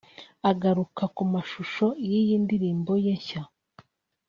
Agaruka ku mashusho y’iyi ndirimbo ye nshya